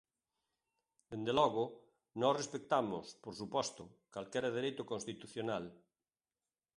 Dende logo, nós respectamos, por suposto, calquera dereito constitucional.